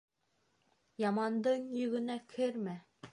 Ямандың йөгөнә кермә